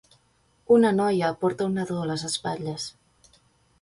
un noia porta un nadó a les espatlles.